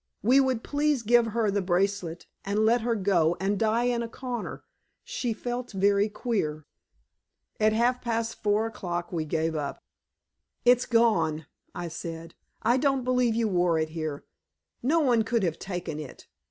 we would please give her the bracelet and let her go and die in a corner; she felt very queer. At half past four o'clock we gave up. "It's gone," I said. "I don't believe you wore it here. No one could have taken it.